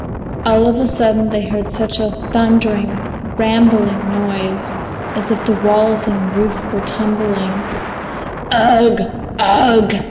All of a sudden they heard such a thundering, rambling noise, as if the walls and roof were tumbling in. "Ugh! Ugh!